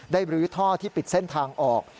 รื้อท่อที่ปิดเส้นทางออก